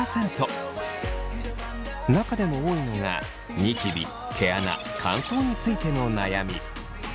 中でも多いのがニキビ毛穴乾燥についての悩み。